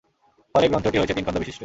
ফলে গ্রন্থটি হয়েছে তিনখণ্ড বিশিষ্ট।